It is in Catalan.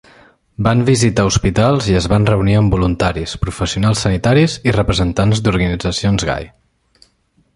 Van visitar hospitals i es van reunir amb voluntaris, professionals sanitaris i representants d'organitzacions gai.